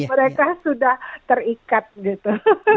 mereka sudah terikat gitu